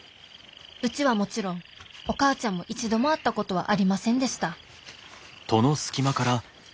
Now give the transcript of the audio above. うちはもちろんお母ちゃんも一度も会ったことはありませんでした